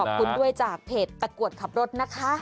ขอบคุณด้วยจากเพจตะกรวดขับรถนะคะ